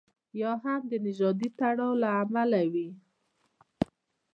یا هم د نژادي تړاو له امله وي.